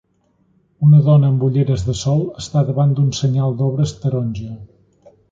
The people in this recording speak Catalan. Una dona amb ulleres de sol està davant d'un senyal d'obres taronja.